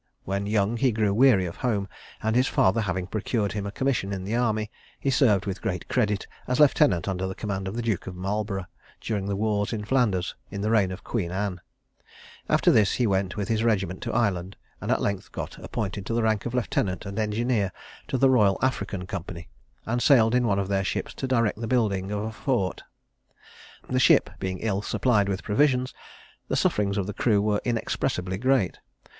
When young, he grew weary of home; and his father having procured him a commission in the army, he served with great credit as lieutenant under the command of the Duke of Marlborough, during the wars in Flanders, in the reign of Queen Anne. After this he went with his regiment to Ireland, and at length got appointed to the rank of lieutenant and engineer to the Royal African Company, and sailed in one of their ships to direct the building of a fort. The ship being ill supplied with provisions, the sufferings of the crew were inexpressibly great.